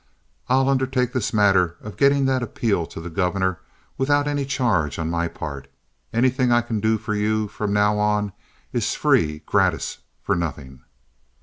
I'll undertake this matter of getting that appeal to the Governor without any charge on my part. Anything I can do for you from now on is free gratis for nothing."